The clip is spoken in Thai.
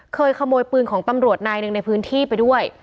เคยขโมยปืนของตำรวจนายหนึ่งในพื้นที่ไปด้วย